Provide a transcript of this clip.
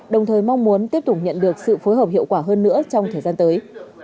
đồng thời mong muốn tiếp tục nhận được sự phối hợp hiệu quả hơn nữa trong thời gian tới